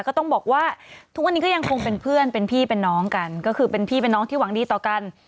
ก็ต้องบอกว่าทุกวันนี้ก็ยังคงเป็นเพื่อนเป็นพี่เป็นน้องกันก็คือเป็นพี่เป็นน้องที่หวังดีต่อกัน